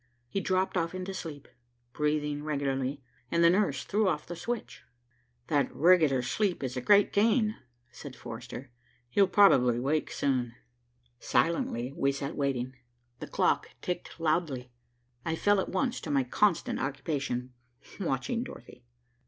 He dropped off into sleep, breathing regularly, and the nurse threw off the switch. "That regular sleep is a great gain," said Forrester. "He'll probably wake soon." Silently we sat waiting. The clock ticked loudly. I fell at once to my constant occupation, watching Dorothy.